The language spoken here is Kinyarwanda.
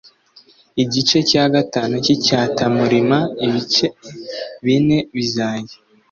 igice cya gatanu cy icyatamurima ibice bine bizajya